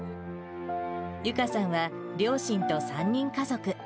ユカさんは、両親と３人家族。